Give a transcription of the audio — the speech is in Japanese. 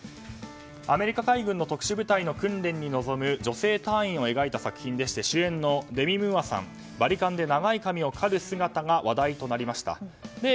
アメリカ海軍の特殊部隊の訓練に臨む女性隊員を描いた作品でした主演のデミ・ムーアさんがバリカンで長い髪を刈る姿が話題となりました。